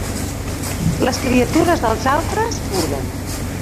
Les criatures dels altres puden.